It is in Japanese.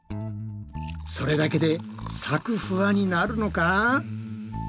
それだけでサクフワになるのか？